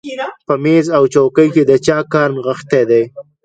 په مېز او څوکۍ کې د چا کار نغښتی دی